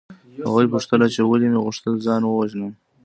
هغوی پوښتل چې ولې مې غوښتل ځان ووژنم